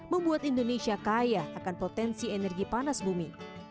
membuat indonesia kaya akan potensi energi panas bumi